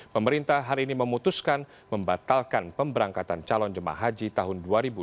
pemerintah hari ini memutuskan membatalkan pemberangkatan calon jemaah haji tahun dua ribu dua puluh